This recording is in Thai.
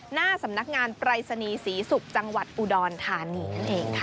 หน้าสำนักงานปรายศนีสีสุกจังหวัดอุดอนธานียนต์เองค่ะ